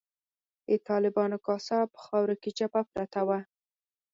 د طالبانو کاسه په خاورو کې چپه پرته وه.